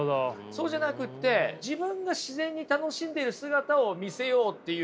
そうじゃなくって自分が自然に楽しんでる姿を見せようっていう初心に返ればね